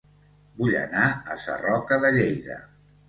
Vull anar a Sarroca de Lleida